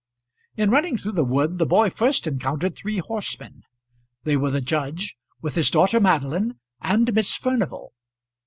In running through the wood the boy first encountered three horsemen. They were the judge, with his daughter Madeline and Miss Furnival.